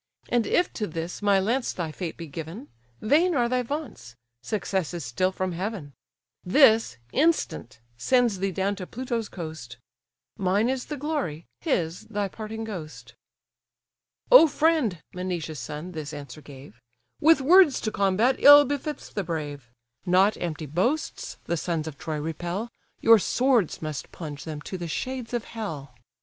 And if to this my lance thy fate be given, Vain are thy vaunts; success is still from heaven: This, instant, sends thee down to Pluto's coast; Mine is the glory, his thy parting ghost." "O friend (Menoetius' son this answer gave) With words to combat, ill befits the brave; Not empty boasts the sons of Troy repel, Your swords must plunge them to the shades of hell.